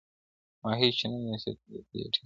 o ماهى چي نه نيسې، تر لکۍ ئې ټينگوه٫